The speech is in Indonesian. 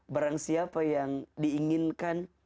barang siapa yang diinginkan